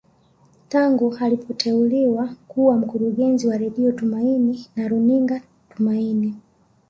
Tangu alipoteuliwa kuwa mkurungezi wa Radio Tumaini na runinga Tumaini